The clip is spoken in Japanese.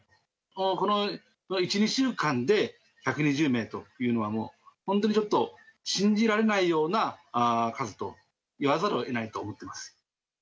この１、２週間で１２０名というのは、もう本当にちょっと、信じられないような数と言わざるをえないと思っています。